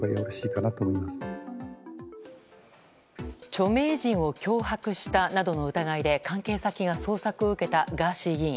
著名人を脅迫したなどの疑いで関係先が捜索を受けたガーシー議員。